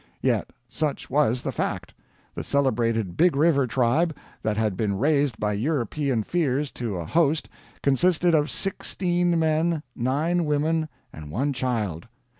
Yet such was the fact. The celebrated Big River tribe, that had been raised by European fears to a host, consisted of sixteen men, nine women, and one child.